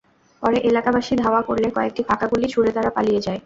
পরে এলাকাবাসী ধাওয়া করলে কয়েকটি ফাকা গুলি ছুড়ে তারা পালিয়ে যায়।